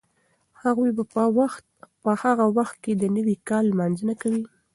هغوی به په هغه وخت کې د نوي کال لمانځنه کوي.